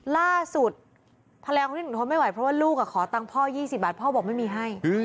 ล่าสุดภรรยาคนที่หนูทนไม่ไหวเพราะว่าลูกขอตังค์พ่อ๒๐บาทพ่อบอกไม่มีให้